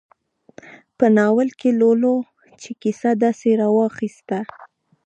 په ناول کې لولو چې کیسه داسې راواخیسته.